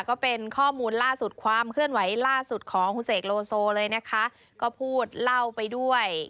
ก็เป็นข้อมูลล่าสุดความเคลื่อนไหวล่าสุดของเขาก็พูดเล่าไปด้วย